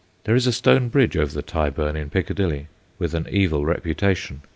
There is a stone bridge over the Tyburn in Piccadilly, with an evil reputa tion.